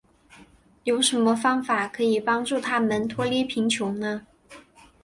有什么方法可以帮助他们脱离贫穷呢。